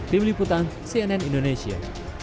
dibeliputan cnn indonesia